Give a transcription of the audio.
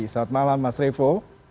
selamat malam mas revo